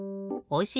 お！